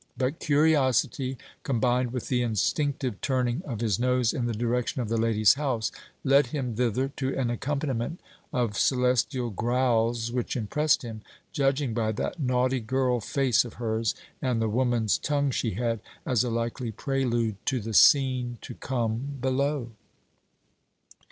But curiosity, combined with the instinctive turning of his nose in the direction of the lady's house, led him thither, to an accompaniment of celestial growls, which impressed him, judging by that naughty girl face of hers and the woman's tongue she had, as a likely prelude to the scene to come below.